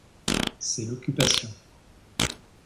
C’est l’occupation.